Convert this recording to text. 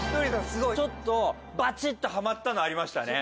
すごいちょっとバチッとハマったのありましたね